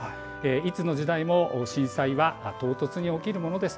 いつの時代も震災は唐突に起きるものです。